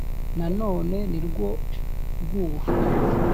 na none ni rwo rw’uru,